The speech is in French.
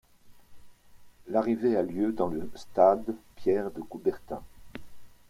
L'arrivée a lieu dans le stade Pierre-de-Coubertin.